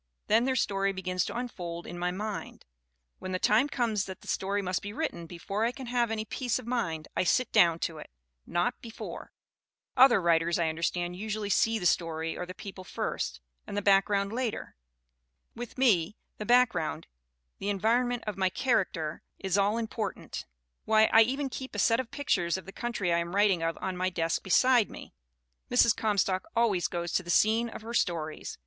Then their story be gins to unfold in my mind. When the time comes that that story must be written before I can have any peace of mind, I sit down to it not before. Other writers, I understand, usually see the story or the people first, and the background later. With me, the background, the environment of my characters, is 340 THE WOMEN WHO MAKE OUR NOVELS all important. Why, I even keep a set of pictures of the country I am writing of on my desk beside me." Mrs. Comstock always goes to the scene of her stories.